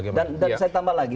saya tambah lagi